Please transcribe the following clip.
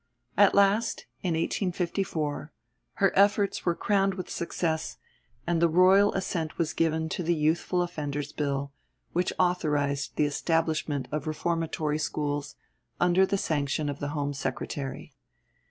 At last, in 1854, her efforts were crowned with success, and the Royal Assent was given to the Youthful Offenders Bill, which authorised the establishment of reformatory schools, under the sanction of the Home Secretary.